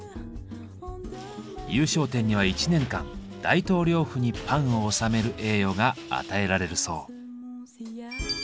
優勝店には１年間大統領府にパンを納める栄誉が与えられるそう。